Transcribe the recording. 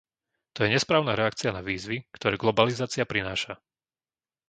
To je nesprávna reakcia na výzvy, ktoré globalizácia prináša.